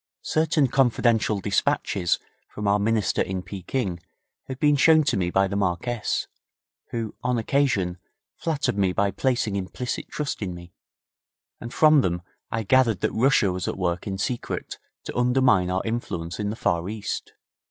Certain confidential despatches from our Minister in Pekin had been shown to me by the Marquess, who, on occasion, flattered me by placing implicit trust in me, and from them I gathered that Russia was at work in secret to undermine our influence in the Far East.